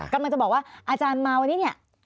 กำลังจะบอกว่าอาจารย์มาวันนี้เนี่ย